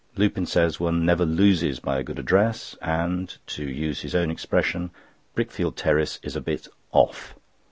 Lupin says one never loses by a good address, and, to use his own expression, Brickfield Terrace is a bit "off."